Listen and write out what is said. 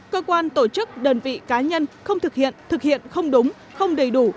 cơ quan tổ chức đơn vị cá nhân không thực hiện thực hiện không đúng không đầy đủ